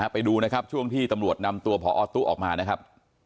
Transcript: ไปดูนะครับช่วงที่ตำรวจนำตัวพอตู้ออกมานะครับ